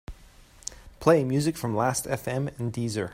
Play music from Lastfm and Deezer.